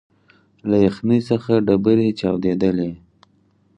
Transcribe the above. له یخنۍ څخه ډبري چاودېدلې